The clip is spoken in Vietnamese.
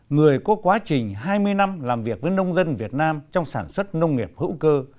người có quá trình hai mươi năm làm việc với nông dân việt nam trong sản xuất nông nghiệp hữu cơ